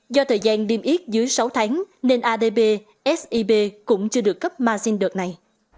do thời gian điêm ít dưới sáu tháng nên adb sip cũng chưa được cấp ma sinh đợt này